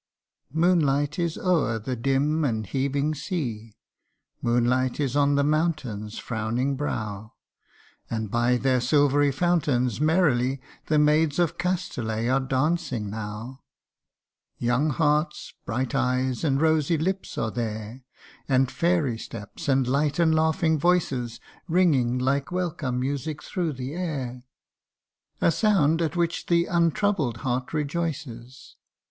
MOONLIGHT is o'er the dim and heaving sea, Moonlight is on the mountain's frowning brow, And by their silvery fountains merrily The maids of Castaly are dancing now. Young hearts, bright eyes, and rosy lips are there, And fairy steps, and light and laughing voices, Ringing like welcome music through the air A sound at which the untroubled heart rejoices.